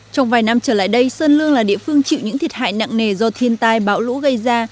trong vài năm trở lại đây sơn lương là địa phương chịu những thiệt hại nặng nề do thiên tai bão lũ gây ra